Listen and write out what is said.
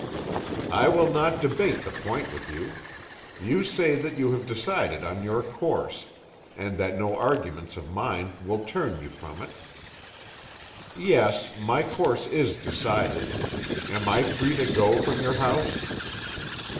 "'I will not debate the point with you. You say that you have decided on your course, and that no arguments of mine will turn you from it.' "'Yes; my course is decided. Am I free to go from your house?'